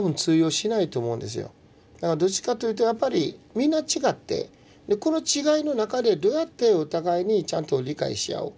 だからどっちかというとやっぱりみんな違ってこの違いの中でどうやってお互いにちゃんと理解し合う。